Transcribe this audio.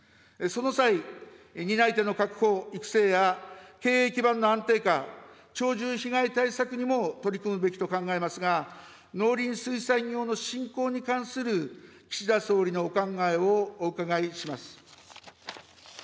その際、担い手の確保・育成や経営基盤の安定化、鳥獣被害対策にも取り組むべきと考えますが、農林水産業の振興に関する岸田総理のお考えをお伺いします。